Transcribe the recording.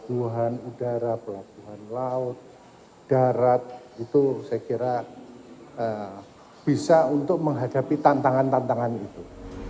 pelabuhan udara pelabuhan laut darat itu saya kira bisa untuk menghadapi tantangan tantangan itu